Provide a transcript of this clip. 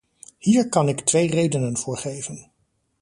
Hier kan ik twee redenen voor geven.